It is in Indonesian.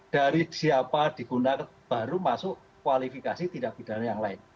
dari siapa digunakan baru masuk kualifikasi tindak pidana yang lain